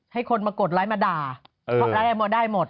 ให้คนมากดไลค์มาด่าหมดได้หมด